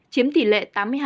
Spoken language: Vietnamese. chiếm tỷ lệ tám mươi hai